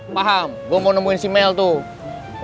paham gue mau nemuin si mel tuh